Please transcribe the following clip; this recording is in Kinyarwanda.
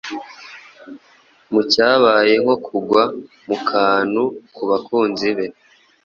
Mu cyabaye nko kugwa mu kantu ku bakunzi be,